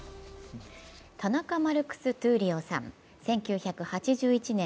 田中マルクス闘莉王さん、１９８１年